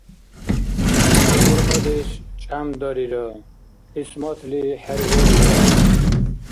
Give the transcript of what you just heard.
Цӏуръадеш «чӏямдарира», кьисматли хӏерварира